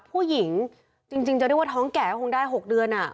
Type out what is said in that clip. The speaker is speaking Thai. ผู้หญิงจริงจะเรียกว่าท้องแก่ก็คงได้๖เดือน